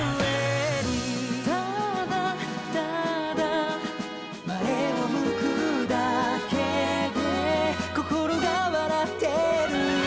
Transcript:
「ただ、ただ」「前を向くだけで心が笑ってる」